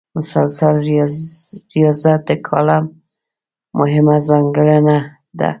مسلسل ریاضت د کالم مهمه ځانګړنه ده.